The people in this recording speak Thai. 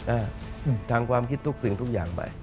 อ่าทำความคิดทุกสิ่งทุกอย่างไป